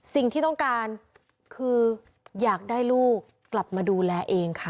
สิ่งที่ต้องการคืออยากได้ลูกกลับมาดูแลเองค่ะ